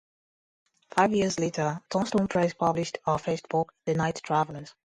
Five years later, Turnstone Press published her first book, the Night Travellers.